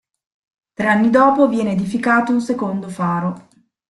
Tre anni dopo viene edificato un secondo faro.